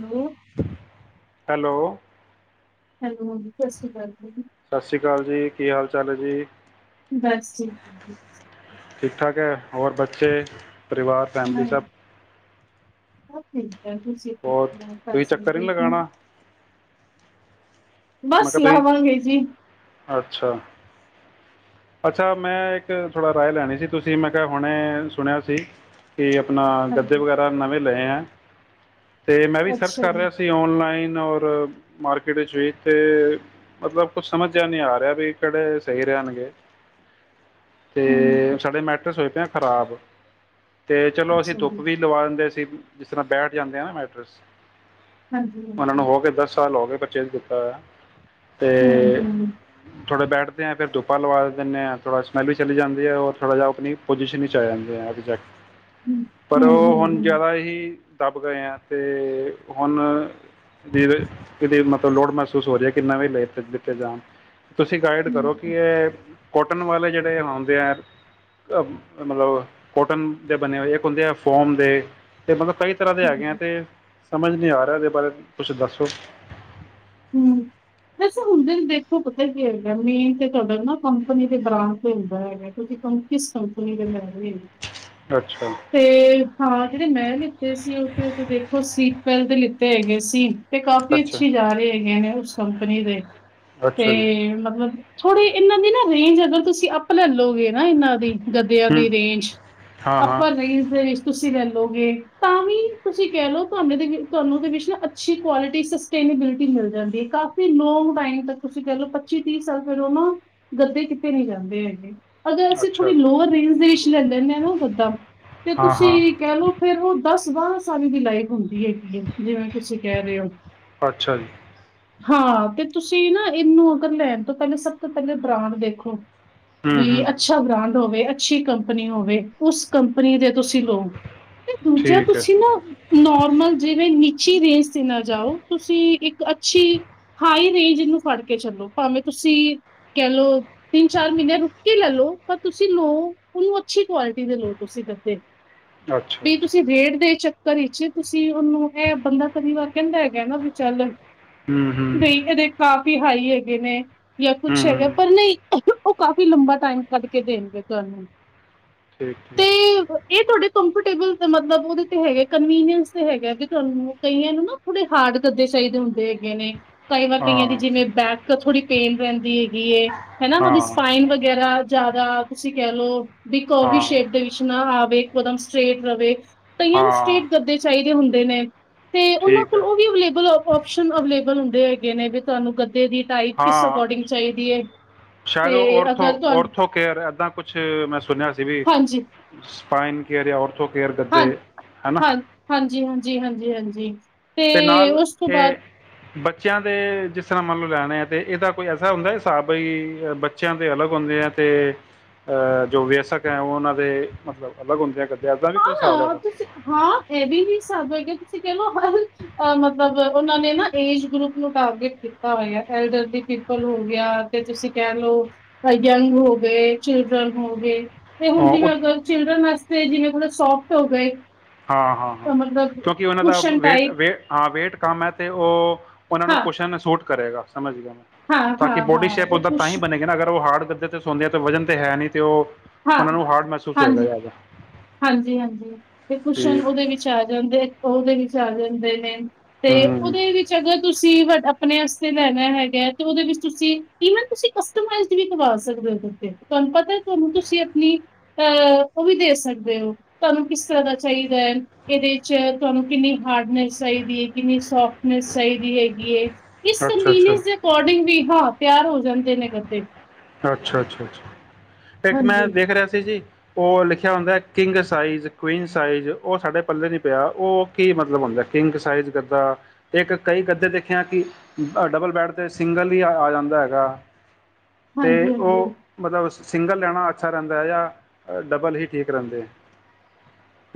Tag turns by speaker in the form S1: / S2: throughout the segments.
S1: Hello
S2: hello
S1: hello ਹਾਂ ਸਤਿ ਸ਼੍ਰੀ ਅਕਾਲ ਜੀ
S2: ਸਤਿ ਸ਼੍ਰੀ ਅਕਾਲ ਜੀ ਕੀ ਹਾਲ ਚਾਲ ਹੈ ਜੀ
S1: ਬਸ ਠੀਕ
S2: ਔਰ ਬੱਚੇ ਪਰਿਵਾਰ ਫੈਮਲੀ ਸਭ
S1: ਜੀ ਸੀ
S2: ਹੋਰ ਤੁਸੀਂ ਚੱਕਰ ਨਹੀਂ
S1: ਹ
S2: ਲਗਾਉਣਾ
S1: ਬਸ ਲਾਵਾ ਗਏ ਜੀ
S2: ਅੱਛਾ-ਅੱਛਾ ਮੈਂ ਇੱਕ ਥੋੜ੍ਹਾ ਰਾਏ ਲੈਣੀ ਸੀ ਤੁਸੀਂ ਮੈਂ ਕਿਹਾ ਹੁਣੇ ਸੁਣਿਆ ਸੀ ਕਿ ਆਪਣਾ ਗੱਦੇ
S1: ਹਾਂਜੀ
S2: ਵਗੈਰਾ ਨਵੇਂ ਲਏ ਆ ਅਤੇ ਮੈਂ ਵੀ ਸਰਚ
S1: ਅੱਛਾ
S2: ਕਰ
S1: ਜੀ
S2: ਰਿਹਾ ਸੀ ਔਨਲਾਈਨ ਔਰ ਮਾਰਕਿਟ ਵਿੱਚ ਵੀ ਤੇ ਮਤਲਬ ਕੁਛ ਸਮਝ ਜੇਹਾ ਨੀ ਆ ਰਿਹਾ ਵੀ ਕਿਹੜੇ ਸਹੀ ਰਹਿਣਗੇ ਤੇ
S1: ਹਮ
S2: ਸਾਡੇ ਮੈਟਰਸ ਹੋਏ ਹੈ ਖਰਾਬ ਤੇ ਚਲੋ ਅਸੀਂ
S1: ਅੱਛਾ
S2: ਧੁੱਪ
S1: ਜੀ
S2: ਵੀ ਲਵਾ ਦਿੰਦੇ ਕਿ ਜਿਸ ਤਰ੍ਹਾਂ ਬੈਠ ਜਾਂਦੇ ਆ ਨਾ ਮੈਟਰਸ
S1: ਹਾਂਜੀ
S2: ਉਹਨਾਂ ਨੂੰ
S1: ਹਾਂਜੀ
S2: ਹੋ ਗੇ ਦਸ ਸਾਲ ਹੋ ਗੇ ਪਰਚੇਜ਼ ਕਿਤ ਹ
S1: ਹਮ ਹਮ
S2: ਥੋੜ੍ਹੇ ਬੈਠਦੇ ਆ ਫਿਰ ਧੁੱਪਾ ਲਵਾ ਦਿੰਦੇ ਹਾਂ ਥੋੜ੍ਹਾ ਸਮੈਲ ਵੀ ਚਲੀ ਜਾਂਦੀ ਹੈ ਔਰ ਥੋੜਾ ਜਿਹਾ ਆਪਣੀ ਪੋਜੀਸ਼ਨ 'ਚ ਆ ਜਾਂਦੇੈ ਐ ਐਗਜੇ਼ਕਟ
S1: ਹਮ
S2: ਪਰ
S1: ਹਮ
S2: ਉਹ ਹੁਣ
S1: ਹਮ
S2: ਜਿਆਦਾ ਹੀ ਦੱਬ ਗਏ ਹੈ ਅਤੇ ਹੁਣ ਦੀ ਇਹ ਮਤਲਬ ਲੋੜ ਮਸ ਮਹਿਸੂਸ ਹੋ ਰਿਹਾ ਕਿ ਮੈਂ ਵੀ ਵਾਈਫ ਦੇ ਪਿੱਛੇ ਜਾਵਾਂ ਤੁਸੀਂ ਗਾਈਡ ਕਰੋ ਕਿ
S1: ਹਮ
S2: ਇਹ ਕੋਟਨ ਵਾਲੇ ਜਿਹੜੇ ਹੁੰਦੇ ਹੈ ਮਤਲਬ ਕੋਟਨ ਦੇ ਬਣੇ ਹੋਏ ਇੱਕ ਹੁੰਦੇ ਆ ਫੋਮ ਦੇ ਅਤੇ ਮਤਲਬ ਕਈ ਤਰ੍ਹਾਂ ਦੇ
S1: ਹਮ
S2: ਹੈਗੇ ਐ
S1: ਹਮ
S2: ਤੇ ਸਮਝ ਨਹੀਂ ਆ ਰਹੀ ਇਹ ਦੇ ਬਾਰੇ ਕੁਛ ਦੱਸੋ
S1: ਵੈਸੇ ਹੁੰਦੇ ਦੇਖੋ ਪਤਾ ਕੀ ਹੈਗਾ ਮੇਨ ਤੇ ਤੁਹਾਡਾ ਨਾ ਕੰਪਨੀ ਦੇ ਬ੍ਰਾਂਡ ਤੇ ਹੁੰਦਾ ਹੈਗਾ ਤੁਸੀਂ ਕਿਸ ਕੰਪਨੀ ਦੇ ਲੈ ਰਹੇ ਹੈਗੇ
S2: ਅੱਛਾ
S1: ਤੇ ਹਾਂ ਜਿਹੜੇ ਮੈਂ ਲਿੱਤੇ ਸੀ ਉੱਥੇ ਦੇਖੋ ਸਲੀਪਵੈਲ ਦੇ ਲਿੱ ਹੈਗੇ ਸੀ ਤੇ ਕਾਫੀ
S2: ਅੱਛਾ
S1: ਅੱਛੀ ਜਾ ਰਹੇ ਹੈਗੇ ਨੇ ਕੰਪਨੀ ਦੇ ਤੇ
S2: ਅੱਛਾ ਜੀ
S1: ਮਤਲਬ ਥੋੜੇ ਇਹਨਾਂ ਦੀ ਨਾ ਰੇਂਜ ਅਗਰ ਤੁਸੀਂ ਅੱਪ ਲੈ ਲੋਗੇ ਨਾ ਇਹਨਾਂ ਦੀ ਗੱਦਿਆਂ
S2: ਹੂੰ
S1: ਦੀ ਰੇਂਜ
S2: ਹਾਂ ਹਾਂ
S1: ਅੱਪਰ ਰੇਂਜ ਦੇ ਵਿੱਚ ਤੁਸੀ ਲੇ ਲੋਗੇ ਤਾਂ ਵੀ ਤੁਸੀਂ ਕਹਿ ਲਓ ਤੁਹਾਡੇ ਤੁਹਾਨੂੰ ਉਹਦੇ ਵਿੱਚ ਨਾ ਅੱਛੀ ਕੁਆਲਿਟੀ ਸਸਟੇਨੇਬਿਲਿਟੀ ਮਿਲ ਜਾਂਦੀ ਹੈ ਕਾਫੀ ਲੋਂਗ ਟਾਈਮ ਤੱਕ ਤੁਸੀਂ ਕਹਿ ਲਓ ਪੱਚੀ ਤੀਹ ਸਾਲ ਫਿਰ ਉਹ ਨਾ ਗੱਦੇ ਕਿਤੇ ਨ ਜਾਂਦੇ ਹੈਗੇ ਅਗਰ ਅਸੀਂ
S2: ਅੱਛਾ
S1: ਥੋੜ੍ਹੀ ਲੋਅਰ ਰੇਂਜ ਦੇ ਵਿੱਚ ਲੈ ਲੈਨੇ ਹਾਂ ਨਾ ਗੱਦਾ ਤੇ
S2: ਹਾਂ ਹਾਂ
S1: ਤੁਸੀਂ ਕਹਿਲੋ ਫੇਰ ਉਹ ਦ ਦੱਸ ਬਾਰਾਂ ਸਾਲ ਹੀ ਇਹਦੀ ਲਾਈਫ ਹੁ ਹੈਗੀ ਏ ਜਿਵੇਂ ਤੁਸੀਂ ਕਹਿ ਰਹੇ ਹੋ
S2: ਅੱਛਾ ਜੀ
S1: ਹਾਂ ਤੇ ਤੁਸੀਂ ਨਾ ਇਹਨੂੰ ਅਗਰ ਲੈਣ ਤੋਂ ਪਹਿਲੇ ਸਭ ਤੋਂ ਪਹਿਲੇ ਬ੍ਰਾਂਡ ਦੇਖੋ
S2: ਹੂੰ
S1: ਵੀ
S2: ਹੂੰ
S1: ਅੱਛਾ ਬ੍ਰਾਂਡ ਹੋਵੇ ਅੱਛੀ ਕੰਪਨੀ ਹੋਵੇ ਉਸ ਕੰਪਨੀ ਦੇ ਤੁਸੀਂ ਲੋਓ ਤੇ ਦੂਜਾ
S2: ਠੀਕ ਹੈ
S1: ਤੁਸੀਂ ਨਾ ਨੋਰਮਲ ਜਿਵੇਂ ਉੱਚੀਰੇਂਜ ਤੇ ਨਾ ਜਾਓ ਤੁਸੀਂ ਇੱਕ ਅੱਛੀ ਹਾਈ ਰੇਂਜ ਇਹਨੂੰ ਫੜ ਕੇ ਚਲੋ ਭਾਵੇਂ ਤੁਸੀਂ ਕਹਿ ਲਓ ਤਿੰਨ ਚਾਰ ਮਹੀਨੇ ਰੁੱਕ ਕੇ ਲੈ ਲਓ ਪਰ ਤੁਸੀਂ ਲੋਓ ਉਹਨੂੰ ਅੱਛੀ ਕੁਆਲਿਟੀ ਦੇ ਲੋ ਤੁਸੀਂ ਦੱਸੇ
S2: ਅੱਛਾ
S1: ਜੇ
S2: ਅੱਛਾ
S1: ਤੁਸੀਂ ਰੇਟ ਦੇ ਚੱਕਰ ਚ- ਘਰੇ ਚ ਤੁਸੀਂ ਉਹਨੂੰ ਇਹ ਬੰਦਾ ਕਦੀ ਵਾਰ ਕਹਿੰਦਾ ਹੈਗਾ ਨਾ ਬਈ ਚਲ
S2: ਹੂੰ ਹੂੰ
S1: ਬਈ ਇਹਦੇ ਘ ਹਾਈ ਹੈਗੇ ਨੇ ਜਾਂ
S2: ਹੂੰ
S1: ਕੁੱਛ ਹੈਗਾ
S2: ਹੂੰ, ਠੀਕ
S1: ਪਰ ਨਹੀਂ ਉਹ ਕਾਫੀ ਲੰਬਾ ਟਾਈਮ ਕੱਢ ਕੇ ਦੇਣਗੇ ਤੁਹਾਨੂੰ
S2: ਠੀਕ
S1: ਤੇ
S2: ਠੀਕ।
S1: ਇਹ ਤੁਹਾਡੇ ਕੰ ਟੇਬਲ ਤੇ ਮੱਤਲਬ ਓਦੇ ਤੇ ਹੈਗੇ ਕਨਵੀਨੀਅਸ ਤੇ ਹੈਗਾ ਵੀ ਤੁਹਾਨੂੰ ਕਈਆਂ ਨੂੰ ਨਾ ਥੋੜੇ ਹਾਰਡ ਗੱਦੇ ਚਾਹੀਦੇ ਹੁੰਦੇ ਹੈਗੇ ਨੇ ਕਈ ਵਾਰ ਕਈਆਂ
S2: ਹਾਂ
S1: ਦੀ ਜਿਵੇਂ ਬੈਕ ਥੋੜ੍ਹੀ ਪੇਨ ਰਹਿੰਦੀ ਹੈਗੀ ਹਨਾ ਓਦੀ
S2: ਹਾਂ
S1: ਸਪਾਈਨ ਵਗੈਰਾ ਜਾਦਾ ਤੁਸੀਂ ਕਹਿ ਲੋਓ ਬੀ ਕੋਵੀ
S2: ਹਾਂ
S1: ਸ਼ੇਕ ਆਵੇ ਇੱਕੋ ਦਂਮ ਸਟ੍ਰਰੇਟ ਰਵੇ ਕਈਆਂ ਨੂੰ
S2: ਹਾਂ
S1: ਸਟੇਟ ਗੱਦੇ ਚਾਈਦੇ ਹੁੰਦੇ। ਦੀਨੇ ਤੇ ਉਹਨਾਂ
S2: ਠੀਕ
S1: ਕੋਲ
S2: ਹੈ
S1: ਉਹ ਵੀ ਅਵਲੇਬਲ ਆਪਸ਼ਨ ਅਵਲੇਬਲ ਬਣਦੇ ਹੈਗੇ ਨੇ ਬੀ ਤੁਆਨੁ ਗ
S2: ਹਾਂ ਸ਼ਾਇਦ ਉਹ
S1: ਤੇ
S2: ਔਰਥੋ
S1: ਅਗਰ ਤੁਹਾਨੂੰ
S2: ਔਰਥੋ ਕੇਅਰ ਏਦਾਂ ਕੁੱਛ ਮੈਂ ਸੁਣਿਆ ਸੀ ਵੀ
S1: ਹਾਂਜੀ
S2: ਸਪਾਈਨ ਕੇਅਰ ਔਰ
S1: ਹਾਂ, ਹਾਂ, ਹਾਂਜੀ-ਹਾਂਜੀ-ਹਾਂਜੀ ਜੀ ਹਾਂਜੀ ਤੇ
S2: ਨਾਲ
S1: ਉਸ ਤੋਂ
S2: ਇਹ
S1: ਬਾਅਦ
S2: ਬੱਚਿਆਂ ਦੇ ਜਿਸ ਤਰ੍ਹਾਂ ਮੰਨ ਲਓ ਲੈਣੇ ਆ ਤੇ ਇਸਦਾ ਕੋਈ ਐਸਾ ਹੁੰਦਾ ਹਿਸਾਬ ਬਈ ਬੱਚਿਆਂ ਦੇ ਅਲੱਗ ਹੁੰਦੇ ਐ ਤੇ ਅਹ ਜੋ ਵਿਅਸਕ ਐ ਉਹਨਾਂ ਦੇ ਮੱਤਲਬ ਅਲੱਗ ਹੁੰਦੇ ਆ ਐਸਾ ਵੀ ਕੋਈ ਹਿਸਾਬ
S1: ਹਾਂ
S2: ਹੈਗਾ
S1: ਤੁਸੀਂ ਹਾਂ ਇਹ ਵੀ ਨੀ ਸਾਬ ਕਰ ਕੇ ਤੁਸੀਂ ਕਹਿ ਲਉ ਅ ਮਤਲਬ ਉਹਨਾਂ ਨੇ ਨਾ ਏਜ ਗਰੁੱਪ ਨੂੰ ਟਾਰਗੇਟ ਕੀਤਾ ਹੋਇਆ ਐਲਡਰਲੀ ਪੀਪਲ ਹੋ ਗਿਆ ਤੇ ਤੁਸੀਂ ਕਹਿ ਲਓ ਯੰਗ ਹੋ ਗਏ, ਚਿਲਡਰਨ ਹੋ ਗਏ ਤੇ ਹੁਣ
S2: ਹਾਂ, ਉਹ-
S1: ਜਿਵੇਂ ਅਗਰ ਚਿਲਡਰਨ ਵਾਸ ਫ਼ਿਰ ਜਿਵੇਂ ਪਲੱਸ। ਸੋਫਟ ਹੋ ਗਏ।
S2: ਹਾਂ, ਹਾਂ ਹਾਂ,
S1: ਤਾਂ ਮਤਲਬ
S2: ਕਿਉਂਕਿ ਉਹਨਾਂ ਦਾ
S1: ਕੁਸ਼ਨ
S2: ਵੇਟ
S1: ਟਾਈਪ
S2: ਵੇ ਹਾਂ ਵੇਟ ਕਮ ਹੈ ਤੇ ਉਹ ਉਹਨਾਂ ਨੂੰ
S1: ਹਾਂ,
S2: ਕੂਸ਼ਨ ਕਰੇਗਾ ਸਮਝ ਗਿਆ।
S1: ਹਾਂ,
S2: ਤਾਂ ਕਿ
S1: ਹਾਂ,
S2: ਬੋਡੀ
S1: ਹਾਂ
S2: ਸ਼ੇਪ
S1: ਉਹ
S2: ਉਹਦਾ ਤਾਂ ਹੀ
S1: ਕੁਸ਼
S2: ਬਣੇਗਾ ਨਾ, ਅਗਰ ਉਹ ਹਾਰਡ ਕਰਦੇ ਸੁਣਦੇ ਹਾਂ ਤਾਂ ਵਜ਼ਨ ਤਾਂ ਹੈ ਨਹੀਂ, ਤੇ ਉਹ
S1: ਹਾਂ,
S2: ਉਹਨਾਂ ਨੂੰ ਹਾਰਡ ਮਹਿਸੂਸ ਹੋਏਗਾ ਜਿਆਦਾ।
S1: ਹਾਂਜੀ, ਹਾਂਜੀ। ਤੇ ਕੂਸਨ ਉਹਦੇ ਵਿੱਚ ਆ ਜਾਂਦੇ, ਉਹਦੇ ਵਿੱਚ ਚਲ ਜਾਂਦੇ ਨੇ। ਤੇ
S2: ਹੂੰ
S1: ਉਹਦੇ ਵਿੱਚ ਅਗਰ ਤੁਸੀਂ ਤੁਸੀਂ ਵੀ ਆਪਣੇ ਵਾਸਤੇ ਲੈਣਾ ਹੈਗਾ, ਤੇ ਉਹਦੇ ਵਿੱਚ ਤੁਸੀਂ ਇਵਨ ਤੁਸੀਂ ਕਸਟਮਾਈਜ਼ਡ ਵੀ ਕਰਵਾ ਸਕਦੇ ਹੋ ਉਹਦੇ ਤੇ, ਤੁਹਾਨੂੰ ਪਤਾ ਤੁਹਾਨੂੰ ਤੁਸੀਂ ਆਪਣੀ ਅਹ ਉਹ ਵੀ ਦੇ ਸਕਦੇ ਤੁਹਾਨੂੰ ਕਿਸ ਤਰ੍ਹਾਂ ਦਾ ਚਾਹੀਦਾ ਹੈ, ਇਹਦੇ ਚ ਤੁਹਾਨੂੰ ਕਿੰਨੀ ਹਾਰਡਨੈਸ ਚਾਹੀਦੀ ਹੈ, ਕਿੰਨੀ ਸੋਫਟਨੈਸ ਚਾਹੀਦੀ ਹੈਗੀ ਏ। ਇਸ
S2: ਅੱਛਾ ਅੱਛਾ
S1: ਮੀਨਸ ਦੇ ਅਕੋਡਿੰਗ ਵੀ ਹਾਂ। ਤਿਆਰ ਹੋ ਜਾਂਦੇ ਨੇ ਕਦੇ।
S2: ਅੱਛਾ, ਅੱਛਾ, ਅੱਛਾ। ਇੱਕ ਮੈਂ ਦੇਖ ਰਿਹਾ ਸੀ ਜੀ ਉਹ ਲਿਖਿਆ ਹੁੰਦਾ ਕਿੰਗ ਸਾਈਜ਼, ਕੁਈਨ ਸਾਈਜ਼, ਉਹ ਸਾਡੇ ਪੱਲੇ ਨਹੀਂ ਪਿਆ, ਉਹ ਕੀ ਮਤਲਬ ਹੁੰਦਾ, ਕਿੰਗ ਸਾਈਜ਼ ਗੱਦਾ ਇੱਕ ਕਈ ਗੱਦੇ ਦੇਖੇ ਆ ਕਿ ਡਬਲ ਬੈਡ ਤੇ ਸਿੰਗਲ ਹੀ ਆ ਆ ਜਾਂਦਾ ਹੈਗਾ। ਤੇ
S1: ਹਾਂਜੀ-ਹਾਂਜੀ-ਹਾਂਜੀ।
S2: ਉਹ ਮਤਲਬ ਸਿੰਗਲ ਲੈਣਾ ਅੱਛਾ ਰਹਿੰਦਾ ਹੈ, ਜਾਂ ਡਬਲ ਹੀ ਠੀਕ ਰਹਿੰਦੇ।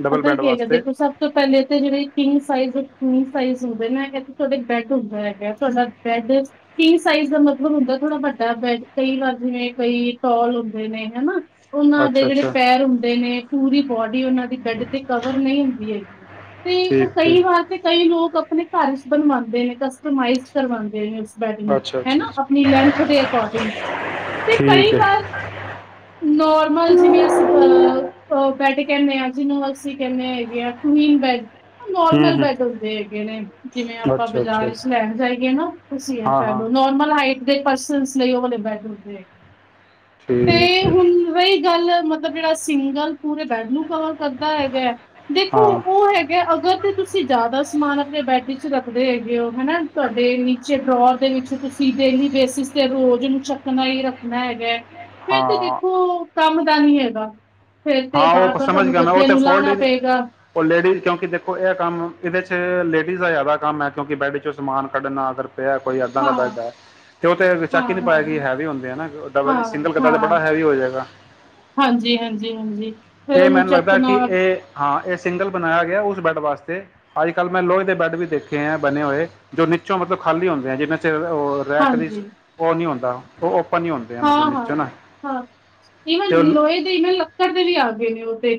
S2: ਡਬਲ
S1: ਪਤਾ
S2: ਬੈਡ
S1: ਕੀ ਹੈਗਾ,
S2: ਵਾਸਤੇ
S1: ਦੇਖੋ ਸਭ ਤੋਂ ਪਹਿਲੇ ਤਾਂ ਜਿਹੜੇ ਕਿੰਗ ਸਾਈਜ਼ ਕਿੰਗ ਸਾਈਜ਼ ਹੁੰਦੇ ਨਾ ਹੈ, ਤੁਹਾਡੇ ਬੈਡ ਹੁੰਦਾ ਹੈਗਾ, ਤੁਹਾਡਾ ਬੈਡ ਕਿੰਗ ਸਾਈਜ਼ ਦਾ, ਮਤਲਬ ਹੁੰਦਾ ਥੋੜਾ ਵੱਡਾ ਬੈਡ ਕਈ ਵਾਰ, ਜਿਵੇਂ ਕਈ ਟੋਲ ਹੁੰਦੇ ਨੇ ਹਨਾ। ਉਹਨਾਂ ਦੇ
S2: ਅੱਛਾ
S1: ਜਿਹੜੇ
S2: ਅੱਛਾ
S1: ਪੈਰ ਹੁੰਦੇ ਨੇ ਪੂਰੀ ਬੋਡੀ ਉਹਨਾ ਬੈਡ ਤੇ ਕਵਰ ਨਹੀਂ ਹੁੰਦੀ ਹੈਗੀ, ਤੇ ਉਹ
S2: ਠੀਕ ਠੀਕ
S1: ਕਈ ਵਾਰ ਤੇ ਕਈ ਲੋਕ ਆਪਣੇ ਘਰ ਵਿੱਚ ਬਣਵਾਉਂਦੇ ਨੇ, ਕਸਟਮਾਈਜ਼ ਕਰਵਾਉਂਦੇ ਨੇ। ਬੈਡ ਨੂੰ
S2: ਅੱਛਾ ਅੱਛਾ
S1: ਹਨਾ
S2: ਅੱਛਾ
S1: ਆਪਣੀ ਲੈਂਥ ਦੇ ਅਕੋਰਡਿੰਗ, ਤੇ ਕਈ
S2: ਠੀਕ
S1: ਵਾਰ
S2: ਹੈ
S1: ਨੋਰਮਲ ਜਿਵੇਂ ਅਸੀਂ ਸੈਟੀ ਕਹਿੰਦੇ ਆਾਂ। ਜਿਹਨੂੰ ਅਸੀਂ ਕਹਿੰਦੇ ਹੈਗੇ ਆ, ਕੁਈਨ ਬੈਡ।
S2: ਹੂੰ
S1: ਨੋਰਮਲ
S2: ਹੂੰ
S1: ਬੈਡ ਹੁੰਦੇ ਹੈਗੇ ਨੇ, ਜਿਵੇਂ ਆਪਾਂ
S2: ਅੱਛਾ ਅੱਛਾ
S1: ਬਾਜ਼ਾਰ ਚ ਲੈਣ ਜਾਈਏ ਨਾ ਤੁਸੀਂ ਇਹ
S2: ਹਾਂ
S1: ਕਹਿ
S2: ਹਾਂ
S1: ਲਓ ਨੋਰਮਲ ਹਾਈਟ ਤੇ ਪਰਸਨਜ਼ ਲਈ ਉਹ ਵਾਲੇ ਬੈਡਰੂਮ ਹੁੰਦੇ ਹੈਗੇ। ਤੇ
S2: ਠੀਕ
S1: ਹੁਣ ਰਹੀ ਗੱਲ ਮਤਲਬ ਜਿਹੜਾ ਸਿੰਗਲ ਪੂਰੇ ਬੈਡ ਨੂੰ ਗੱਦਾ ਹੈਗਾ ਹੈ, ਦੇਖੋ
S2: ਹਾਂ
S1: ਉਹ ਹੈਗਾ ਅਗਰ ਤੇ ਤੁਸੀਂ ਜਿਆਦਾ ਸਾਮਾਨ ਆਪਣੇ ਬੈਡ ਚ ਰੱਖਦੇ ਹੈਗੇ ਹੋ ਹਨਾ, ਤੁਹਾਡੇ ਨੀਚੇ ਡਰੌਰ ਦੇ ਵਿਚ ਤੁਸੀਂ ਡੇਲੀ ਬੇਸਿਸ ਤੇ ਰੋਜ਼ ਨੂੰ ਚੱਕਣਾ ਹੀ ਰੱਖਣਾ ਹੈਗਾ ਹੈ। ਫੇਰ ਤੇ
S2: ਹਾਂ
S1: ਦੇਖੋ ਕੰਮ ਦਾ ਨੀ ਹੈਗਾ। ਫਿਰ ਤੇ
S2: ਹਾਂ
S1: ਬਾਰ
S2: ਉਹ
S1: ਬਾਰ
S2: ਸਮਝ
S1: ਤੁਹਾਨੂੰ
S2: ਗਿਆ ਮੈਂ ਉਹ
S1: ਗੱਦੇ
S2: ਤੇ
S1: ਨੂੰ
S2: ਫੋਲਡ
S1: ਲਾਣਾ
S2: ਹੀ,
S1: ਪਏਗਾ
S2: ਉਹ ਲੇਡੀਜ਼ ਕਿਉਂਕਿ ਦੇਖੋ, ਇਹ ਕੰਮ ਇਹਦੇ ਚ ਲੇ ਡੀਜ਼ ਦਾ ਜ਼ਿਆਦਾ ਕੰਮ ਹੈ, ਕਿਉਂਕਿ ਬੈਡ ਚੋਂ ਸਮਾਨ ਕੱਢਣਾ, ਅਗਰ ਕੋਈ ਏਦਾਂ ਦਾ
S1: ਹਾਂ,
S2: ਬੈਡ ਐ ਤੇ ਉਹ ਤੇ
S1: ਹਾਂ,
S2: ਚੱਕ ਹੀ ਨਹੀ ਪਾਇਆ
S1: ਹਾਂ,
S2: ਕਿ
S1: ਹਾਂ।
S2: ਹੈਵੀ ਹੁੰਦੇ ਨਾ ਦ
S1: ਹਾਂ,
S2: ਸਿੰਗਲ ਗੱਦਾ ਤੇ ਬੜਾ
S1: ਹਾਂ,
S2: ਹੈਵੀ ਹੋ ਜਾਏਗਾ।
S1: ਹਾਂਜੀ, ਹਾਂਜੀ, ਹਾਂਜੀ। ਫਿਰ
S2: ਇਹ
S1: ਉਹਨੂੰ
S2: ਮੈਨੂੰ ਲੱਗਦਾ ਕਿ
S1: ਚੱਕਣਾ
S2: ਇਹ ਹਾਂ ਇਹ ਸਿੰਗਲ ਬਣਾਇਆ ਗਿਆ ਉਸ ਬੈਡ ਵਾਸਤੇ ਅੱਜ ਕੱਲ੍ਹ ਮੈਂ ਲੋੋਹੇ ਦੇ ਬੈੱਡ ਵੀ ਦੇਖੇ ਹੈ ਬਣੇ ਹੋਏ, ਜੋ ਨੀਚੋਂ ਮਤਲਬ ਖਾਲੀ ਹੁੰਦੇ ਹੈ, ਜਿਵੇਂ ਸਿਰ ਰੈਕ ਦੀ,
S1: ਹਾਂਜੀ,
S2: ਉਹ ਨਹੀਂ ਹੁੰਦਾ। ਓਹ,
S1: ਹਾਂ ਹਾਂ, ਹਾਂ ਈਵਨ
S2: ਉਹ
S1: ਲੋਹੇ ਦੇ ਈਵਨ ਲੱਕੜ ਦੇ ਵੀ ਆ ਗਏ ਨੇ ਉਹ ਤੇ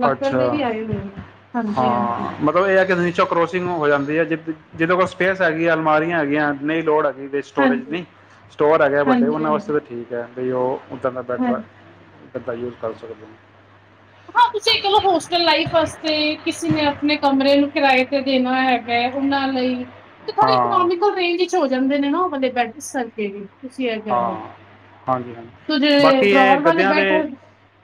S1: ਲੱਕੜ
S2: ਅੱਛਾ
S1: ਦੇ ਵੀ ਆਏ ਹੋਏ ਨੇ ਹਾਂਜੀ ਹਾਂਜੀ
S2: ਹਾਂ, ਮਤਲਬ ਇਹ ਹੈ ਕਿ ਤੁਸੀਂ ਵਿਚੋਂ ਕਰੋਸਿੰਗ ਹੋ ਜਾਂਦੀ ਹੈ ਜਿ ਜਿਹਦੇ ਕੋਲ ਸਪੇਸ ਹੈਗੀ ਆ, ਅਲਮਾਰੀਆਂ ਹੈਗੀਆਂ ਨਹੀਂ ਲੋੜ ਜਿਹਦੇ ਸਟੋਰੇਜ
S1: ਹਾਂਜੀ
S2: ਨਹੀਂ, ਸਟੋਰ ਹੈਗੇ ਵੱਡੇ
S1: ਹਾਂਜੀ
S2: ਉਹਨਾਂ ਵਾਸਤੇ
S1: ਹਾਂਜੀ
S2: ਤਾਂ ਠੀਕ ਹੈ। ਤੇ ਉਹ ਉਤਰਨਾ ਪੈਟਰਾ
S1: ਹਾਂਜੀ
S2: ਦਾ ਯੂਜ਼ ਕਰ ਸਕਦੇ ਹੋ।
S1: ਹਾਂ ਤੁਸੀਂ ਇਹ ਕਹਿ ਲਓ ਹੋਸਟਲ ਲਾਈਫ ਵਾਸਤੇ ਕਿਸੇ ਨੇ ਆਪਣੇ ਕਮਰੇ ਨੂੰ ਕਿਰਾਏ ਤੇ ਦੇਣਾ ਹੈ। ਗਏ ਘੁੰਮਣ ਲਈ। ਤੇ ਥੋੜ੍ਹੀ
S2: ਹਾਂ
S1: ਇਕਨੋਮੀਕਲ ਰੇਂਜ ਵਿਚ ਹੋ ਜਾਂਦੇ ਨੇ ਨਾ, ਉਹ ਵਾਲੇ ਬੈਡ ਸਰਕੇ ਨੀ। ਤੁਸੀਂ ਇਹ ਕਹਿ
S2: ਹਾਂ
S1: ਲਓ,
S2: ਹਾਂਜੀ ਹਾਂਜੀ
S1: ਤੂੰ ਜੇੇ ਡਰੋਰ ਵਲੇ ਬੈਠੇ ਹੋ।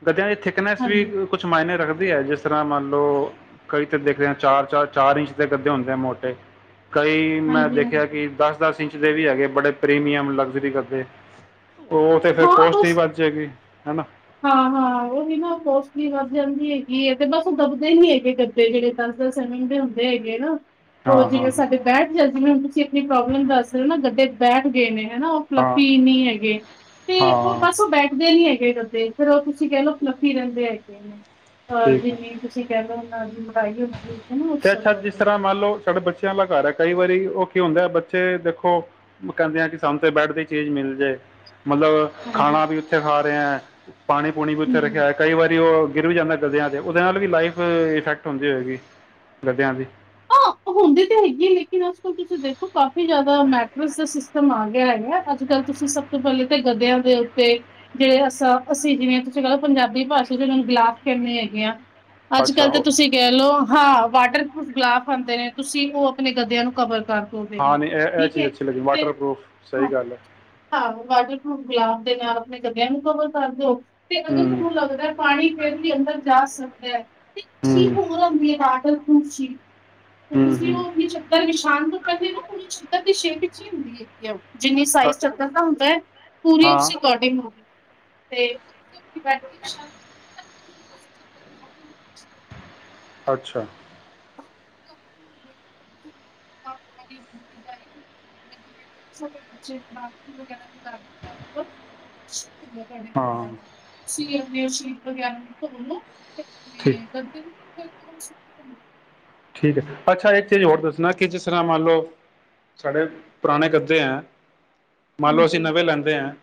S2: ਗਦਿਆਂ ਦੀ ਥਿਕਨੈਸ ਵੀ ਕੁਛ ਮਾਇਨੇ ਰੱਖਦੇ ਦੀ ਐ ਜਿਸ ਤਰ੍ਹਾਂ ਮੰਨ ਲਓ, ਕਈ ਤਾਂ ਦੇਖਦੇ ਹਾਂ ਚਾਰ ਚਾਰ-ਚਾਰ ਇੰਚ ਦੇ ਗੱਦੇ ਹੁੰਦੇ ਆ ਮੋਟੇ। ਕਈ ਮੈਂ
S1: ਹਾਂਜੀ ਹਾਂਜੀ
S2: ਦੇਖਿਆ ਕਿ ਦੱਸ- ਦੱਸ ਇੰਚ ਜਿੜੇ ਵੀ ਹੈਗੇ, ਬੜੇ ਪ੍ਰੀਮੀਅਮ ਲਗਜ਼ਰੀ [unintelligible] ਉਹ ਤੇ ਫੇਰ
S1: ਹਾਂ
S2: ਕੋਸ਼ਟ ਹੀ
S1: ਬਸ
S2: ਵੱਧ ਜੇਗੀ। ਹਨਾ?
S1: ਹਾਂ-ਹਾਂ ਉਹੀ ਨਾ, ਪੋਸਟਲੀ ਵੱਧ ਜਾਂਦੀ ਹੈਗੀ ਹੈ, ਤੇ ਬਸ ਉਹ ਦੱਬਦੇ ਹੀ ਹੈਗੇ ਗੱਦੇੇ ਜਿਹੜੇ ਦਸ ਦਸ ਸਮਿੰਗ ਦੇ ਹੁੰਦੇ ਹੈਗੇ ਨਾ। ਉਹ
S2: ਹਾਂ
S1: ਜਿਵੇਂ
S2: ਹਾਂ
S1: ਸਾਡੇ ਬੈਠ [unintelligible] ਥੇ ਪ੍ਰੋਬਲਮ ਦੱਸਦੇ ਹੋ ਨਾ ਗੱਦੇ ਬੈਠ ਗਏ ਨੇ। ਹਨਾ ਉਹ
S2: ਹਾਂ
S1: ਫਲਫੀ ਨਹੀਂ ਹੈਗੇ, ਤੇ ਉਹ
S2: ਹਾਂ
S1: ਬਸ ਉਹ ਬੈਠਦੇ ਨੀ ਹੈ ਫੇਰ ਤੇ ਫੇਰ ਉਹ ਤੁਸੀਂ ਕਹਿ ਲਓ ਫਲਫੀ ਰਹਿੰਦੇ ਹੈਗੇ ਨੇ। ਅਹ
S2: ਠੀਕ ਹੈ
S1: ਜਿਵੇਂ ਤੁਸੀਂ ਕਹਿ ਲਓ [unintelligible] ਹੈਗੀ ਨਾ ਉਸ
S2: ਤੇ
S1: ਸਭ
S2: ਅੱਛਾ ਜਿਸ ਤਰ੍ਹਾਂ
S1: ਹਾਂਜੀ
S2: ਮੰਨ ਲਓ ਸਾਡੇ ਬੱਚਿਆਂ ਦਾ ਘਰ ਹੈ ਕਈ ਵਾਰੀ ਉਹ ਕੀ ਹੁੰਦੇ ਬੱਚੇ ਦੇਖੋ ਕਹਿੰਦੇ ਆ ਕਿ ਸਾਨੂੰ ਤੇ ਬੈਡ ਤੇ ਹਿ ਚੀਜ਼ ਮਿਲ ਜੇ। ਮਤਲਬ ਖਾਣਾ ਵੀ ਉੱਥੇ ਹ [unintelligible] ਪਾਣੀ ਪੁੂਣੀ ਵੀ ਉਥੇ
S1: ਹੂੰ।
S2: ਰੱਖਿਆ, ਕਈ ਵਾਰੀ ਉਹ ਗਿਰ ਵੀ ਜਾਂਦਾ ਗਦਿਆਂ ਤੇ ਉਹਦੇ ਨਾਲ ਵੀ ਲਾਈਫ ਇਫੈਕਟ ਹੋਂਦੀ ਹੋਏਗੀ ਗੱਦਿਆਂ ਦੀ।
S1: ਹੁੰਦੀ ਤਾਂ ਹੈਗੀ ਆ ਲੇਕਿਨ ਅੱਜ ਕੱਲ ਤੁਸੀਂ ਦੇਖੋ ਕਾਫੀ ਜ਼ਿਆਦਾ ਮੈਟਰਸ ਦਾ ਸਿਸਟਮ ਆ ਗਿਆ ਹੈਗਾ ਅੱਜ ਕੱਲ ਤੁਸੀਂ ਸਭ ਤੋਂ ਪਹਿਲੇ ਤਾਂ ਗਦਿਆਂ ਦੇ ਉੱਤੇ ਜਿਹੜੇ ਅ ਅਸੀਂ ਜਿਵੇਂ ਤੁਸੀਂ ਕੋ ਪੰਜਾਬੀ ਭਾਸ਼ਾ ਚ ਉਹਨਾਂ ਨੂੰ ਗਿਲਾਫ਼ ਕਹਿੰਦੇ ਹੈਗੇ ਆ। ਅੱਜ
S2: ਅੱਛਾ
S1: ਕੱਲ ਤਾਂ
S2: ਉਹ
S1: ਤੁਸੀਂ ਕਹਿ ਲਓ ਹਾਂ ਵਾਟਰ ਪ੍ਰੂਫ ਗਲਾਫ ਹੁੰਦੇ ਨੇ ਤੁਸੀਂ ਉਹ ਆਪਣੇ ਗੱਦਿਆਂ ਨੂੰ ਕਵਰ ਕਰ ਦੋ ਉਹਦੇ
S2: ਹਾਂ
S1: ਨਾਲ
S2: ਨਹੀਂ ਇਹ ਇਹ
S1: ਠੀਕ
S2: ਚੀਜ਼
S1: ਹੈ,
S2: ਅੱਛੀ ਲੱਗੀ
S1: ਤੇ
S2: ਵਾਟਰਪ੍ਰੂਫ ਸਹੀ
S1: ਹਾਂ
S2: ਗੱਲ ਹੈ
S1: ਵਾਟਰਪੂਫ ਗਲਾਫ ਤੇ ਨਾਲ ਆਪਣੇ ਗਦਯਾ ਨੂੰ ਕਵਰ ਕਰ ਦਿਓ ਤੇ ਅਗਰ
S2: ਹੂੰ
S1: ਤੁਹਾਨੂੰ ਲੱਗਦਾ ਪਾਣੀ ਫੇਰ ਵੀ ਅੰਦਰ ਜਾ ਸਕ [unintelligible] ਇਕ ਚੀ
S2: ਹੂੰ
S1: ਹੋਰ ਹੁੰਦੀ ਹੈ ਡਟ [unintelligible] ਤੇ
S2: ਹੂੰ
S1: ਤੁਸੀਂ
S2: ਹੂੰ
S1: ਉਹ ਆਪਣੀ ਚੱਦਰ ਵਿਸ਼ਾਨ ਕਰਦੇ ਨਾ ਪੂਰੀ ਚੱਦਰ ਦੀ ਸ਼ੇਪ ਵਿੱਚ ਹੀ ਹੁੰਦੀ ਹੈਗੀ ਆ। ਜਿੰਨੀ ਸਾਈਜ਼
S2: ਅ-
S1: ਚੱਦਰ ਦਾ ਹੁੰਦਾ ਹੈ ਪੂਰੀ ਉਸ
S2: ਹਾਂ
S1: ਅਕੋਡਿੰਗ ਹੁੰਦੀ ਹੈ। ਤੇ [inaudible]
S2: ਅੱਛਾ
S1: [inaudible] [inaudible] ਸ਼੍ਰੀ
S2: ਹਾਂ
S1: ਅਨੇ ਸ਼੍ਰੀ ਨੂੰ ਆਪਣੇ
S2: ਠੀਕ
S1: ਬੰਦੇ ਨੂੰਥੋ ਸ਼
S2: ਠੀਕ ਹੈ, ਅੱਛਾ ਇੱਕ ਚੀਜ਼ ਹੋਰ ਦੱਸਣਾ ਕਿ ਜਿਸ ਤਰ੍ਹਾਂ ਮੰਨ ਲਿਓ, ਸਾਡੇ ਪੁਰਾਣੇ ਗੱਦੇਹੈ ਮੰਨ ਲਓ ਅਸੀਂ
S1: ਹਾਂਜੀ
S2: ਨਵੇਂ ਲੈਂਦੇ ਹੈ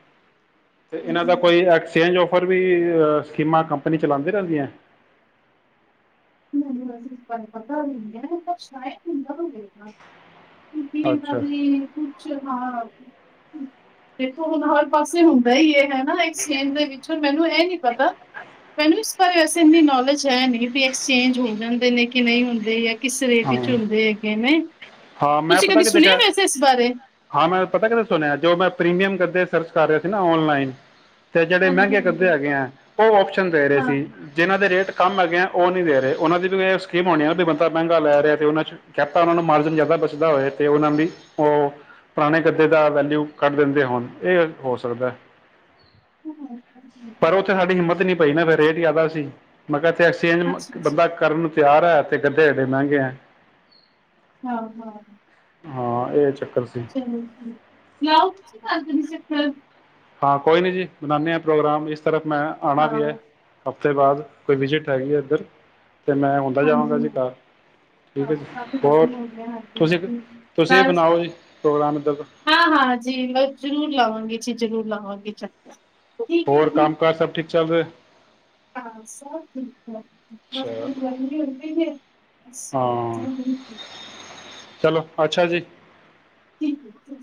S2: ਤੇ ਇਹਨਾਂ
S1: ਹਾਂਜੀ
S2: ਦਾ
S1: ਹਾਂਜੀ
S2: ਕੋਈ ਐਕਸਚੇਂਜਫ ਫੇਰ ਵੀ ਸਕੀਮਾਂ ਕੰਪਨੀ ਚਲਾਂਦੀ ਰਹਿੰਦੀਆਂ
S1: ਮੈਨੂੰ ਇਸ ਬਾਰੇ ਪਤਾ ਵੀ ਨੀ ਹੈ, ਸ਼ਾਇਦ ਹੁੰਦਾ ਹੋਵੇ। ਕਿਉਂਕਿ ਇਹਨਾਂ
S2: ਅੱਛਾ
S1: ਦੀ ਕੁੱਛ ਹਾਂ। ਦੇਖੋਂ ਹੁਣ ਹਰ ਪਾਸੇ ਹੁੰਦਾਂ ਹੀ ਇਹ ਹੈਂ। ਨਾ ਇੱਕ ਸੇਲ ਦੇ ਵਿੱਚ। ਮੈਂਨੂੰ ਇਹ ਨੀਂ ਪਤਾਂ। ਮੈਂਨੂੰ ਇਸ ਬਾਰੇ ਵੈਸੇ ਇੰਨੀ ਨੌਲੇਜ ਹੈ ਨਹੀਂ ਵੀ ਚੇਂਜ ਹੋ ਜਾਂਦੇ ਨੇ ਕਿ ਨਹੀਂ ਹੁੰਦੇ। ਕਿਸ ਰੇਟ
S2: ਹਾਂ
S1: ਵਿਚ ਹੁੰਦੇ ਹੈਗੇ ਨੇਂ।
S2: ਹਾਂ ਮੈਂ ਪਤਾਂ ਕਿਤੇ ਕਿਹਾ। ਹਾਂ ਮੈਂ ਪਤਾਂ ਕਿਤੇ ਸੁਣਿਆਂ ਜੋ ਮੈਂ ਪ੍ਰੀਮੀਅਮ ਕਰ। ਤੇ ਸਰਚ ਕਰ ਰਿਹਾਂ ਸੀ ਨਾ ਔਨਲਾਈਨ। ਤੇ ਜਿਹੜੇ
S1: ਹਾਂਜੀ
S2: ਮਹਿੰਗੇ ਗੱਦੇ
S1: ਹਾਂਜੀ
S2: ਹੈਗੇ ਹੈਂ। ਉਹ ਆਪਸ਼ਨ ਦੇ ਰਹੇਂ
S1: ਹਾਂ
S2: ਸੀ। ਜਿਹਨਾਂ ਦੇ ਰੇਟ। ਕੰਮ ਹੈਗੇ ਉਹ ਨਹ ਦੇ ਰਹੇ ਉਹਨਾਂ ਦੀ ਵੀ ਸਕੀਮ ਆਉਣੀ ਆ ਵੀ ਬੰਦਾ ਮਹਿੰਗਾ ਲ਼ੈ ਰਿਹਾਂ ਤੇ ਉਹਨਾਂ ਚ ਕਹਿ‌ ਤਾਂ ਉਹਨਾਂ ਨੂੰ ਮਾਰਜਨ ਜ਼ਿਆਦਾ ਬੱਚਦਾ ਹੋਏ। ਤੇ ਉਹਨਾਂ ਵੀ ਉਹ ਪੁਰਾਣੇਂ ਗੱਦੇ ਦਾ ਵੈਲਿਊ ਕੱਢ ਦਿੰਦੇਂ ਹੋਣ ਹੋ ਸਕਦਾਂ। ਪਰ ਉੱਥੇ ਸ਼ਾਡੀ ਹਿੰਮਤ ਨੀਂ ਪਈ ਨਾ ਫ਼ਿਰ ਰੇਟ। ਜ਼ਿਆਦਾ ਸੀ -ਮਗਰ ਐਕਸਚੇਂਜ
S1: ਅੱਛਾ
S2: ਬੰਦਾਂ
S1: ਅੱਛਾ
S2: ਕਰਨ। ਤਿਆਰ ਹੈਂ ਤੇ ਗੱਡੀ। ਤੈਡੇ ਮਹਿੰਗੇ ਆ।
S1: ਹਾਂ, ਹਾਂ।
S2: ਹਾਂ ਇਹ ਚੱਕਰ। ਸੀ
S1: ਚਲੋਂ ਜੀ। ਲਿਆਓ ਤੁਸੀਂ ਘਰ ਕਦੀ ਚਕ੍ਰ [inaudible]
S2: ਹਾਂ ਕੋਈ ਨੀਂ ਜੀ ਬਨਾਣੇ ਹਾਂ ਪ੍ਰੋਗਰਾਮ ਇਸ। ਸਿਰਫ਼ ਮੈਂ ਆਉਣਾਂ ਵੀ ਹੈਂ।
S1: ਹਾਂ
S2: ਹਫ਼ਤੇ ਬਾਅਦ ਕੋਈ ਵਿਜ਼ਿਟ ਆਈਂ ਹੈਂ। ਇੱਧਰ ਮੈਂ ਹੁੰਦਾ
S1: ਹਾਂਜੀ,
S2: ਜਾਵਾਂਗਾ ਜੀ
S1: ਹਾਂਜੀ
S2: ਘਰ ਠੀਕ
S1: ਹਾਂ
S2: ਹੈ ਜੀ
S1: ਕਾਫੀ
S2: ਹੋਰ
S1: ਟਾਇਮ ਹੋ ਗਿਆਂ।
S2: ਤੁਸੀਂ
S1: ਹਾਂਜੀ।
S2: ਤੁਸੀਂ
S1: ਬਸ
S2: ਬਣਾਓ ਜੀ ਪ੍ਰੋਗਰਾਮ ਇੱਧਰ ਦਾ
S1: ਹਾਂ, ਹਾਂ ਜੀ ਮੈਂ ਜ਼ਰੂਰ ਲਵਾਂਗੀ ਚ- ਜ਼ਰੂਰ ਲਾਵਾਂਗੀ ਚੱਕਰ। ਠੀਕ ਹੈ
S2: ਹੋਰ
S1: ਜੀ
S2: ਕੰਮ ਕਾਰ ਸਭ ਠੀਕ ਚੱਲ ਰਿਹਾਂ।
S1: ਹਾਂ ਸਭ ਠੀਕ ਹੈਂ ‌। ਬਸ
S2: ਅੱਛਾ
S1: ਗਰਮੀਂ ਹੋਈ ਪਈ ਦੀ ਹੈ।
S2: ਹਾਂ ਚਲੋ
S1: [inaudible]
S2: ਅੱਛਾ ਜੀ।
S1: ਠੀਕ ਜੀ।